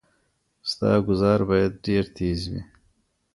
ستا ګوزار باید ډیر تېز وي.